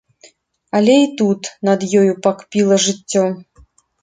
Але і тут над ёю пакпіла жыццё.